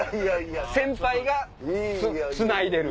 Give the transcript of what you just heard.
先輩がつないでる。